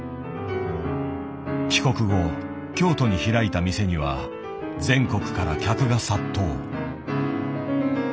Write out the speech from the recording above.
帰国後京都に開いた店には全国から客が殺到。